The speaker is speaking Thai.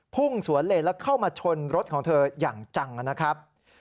พุ่งสวนเลนแล้วเข้ามาชนรถของเธออย่างจังนะครับ